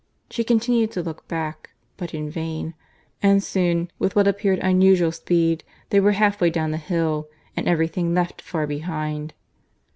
She continued to look back, but in vain; and soon, with what appeared unusual speed, they were half way down the hill, and every thing left far behind.